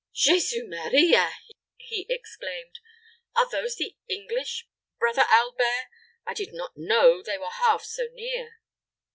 "Jesu Maria!" he exclaimed; "are those the English, brother Albert? I did not know they were half to near."